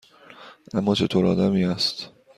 اِما چطور آدمی است؟